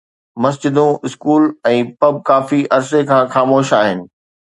مسجدون، school ۽ pub ڪافي عرصي کان خاموش آهن